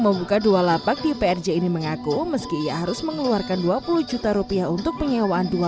membuka dua lapak di prj ini mengaku meski ia harus mengeluarkan dua puluh juta rupiah untuk penyewaan